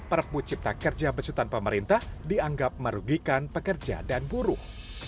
perpu cipta kerja besutan pemerintah dianggap merugikan pekerja dan buruh